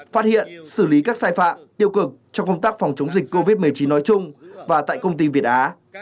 phát hiện xử lý các sai phạm tiêu cực trong công tác phòng chống dịch covid một mươi chín nói chung và tại công ty việt á